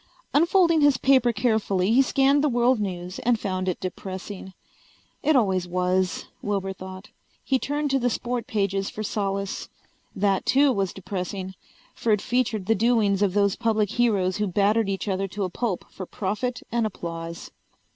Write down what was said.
Unfolding his paper carefully he scanned the world news and found it depressing. It always was, Wilbur thought. He turned to the sport pages for solace. That too was depressing, for it featured the doings of those public heroes who battered each other to a pulp for profit and applause.